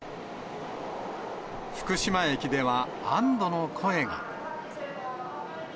福島駅では安どの声が。